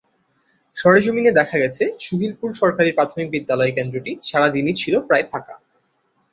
সরেজমিনে দেখা গেছে, সুহিলপুর সরকারি প্রাথমিক বিদ্যালয় কেন্দ্রটি সারা দিনই ছিল প্রায় ফাঁকা।